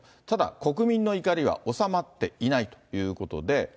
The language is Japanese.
ただ、国民の怒りは収まっていないということで。